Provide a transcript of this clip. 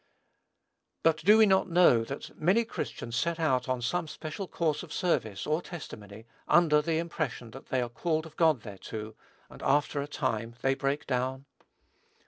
But do we not know that many Christians set out on some special course of service or testimony, under the impression that they are called of God thereto, and after a time they break down?